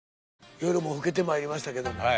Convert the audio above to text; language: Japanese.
夜も更けてまいりましたけど。